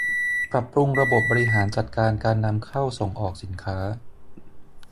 ปรับปรุงระบบบริหารจัดการการนำเข้าส่งออกสินค้า